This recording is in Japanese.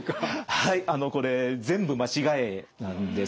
はいこれ全部間違いなんですね。